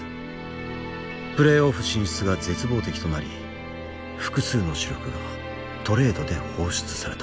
プレーオフ進出が絶望的となり複数の主力がトレードで放出された。